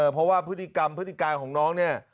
เพราะว่าพฤติกรรมพฤติการของน้องเนี่ย